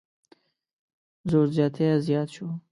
زور زیاتی زیات شو.